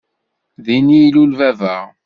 Din i ilul baba.